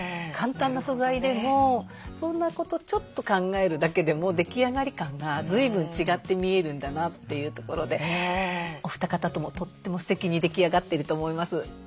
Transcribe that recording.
簡単な素材でもそんなことちょっと考えるだけでも出来上がり感が随分違って見えるんだなというところでお二方ともとってもすてきに出来上がってると思います。